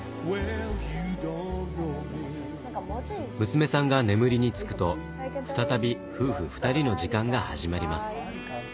娘さんが眠りにつくと再び夫婦２人の時間が始まります。